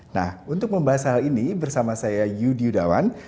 nah untuk membahas hal ini bersama saya yudi yudawan